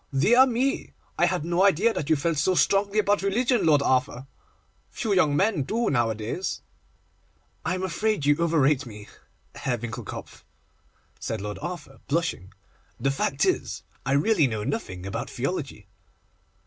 'Dear me! I had no idea that you felt so strongly about religion, Lord Arthur. Few young men do nowadays.' 'I am afraid you overrate me, Herr Winckelkopf,' said Lord Arthur, blushing. 'The fact is, I really know nothing about theology.